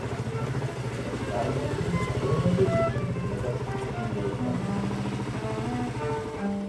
წარმოადგენს ყველაზე დიდ შეჯიბრებას ჩრდილოეთ მაკედონიაში.